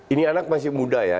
ini anak masih muda ya